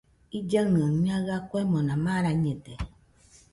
Illaɨnɨaɨ ñaɨa kuemona marañede.